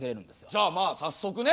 じゃあまあ早速ね